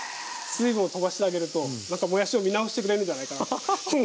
水分をとばしてあげるともやしを見直してくれるんじゃないかなと思って。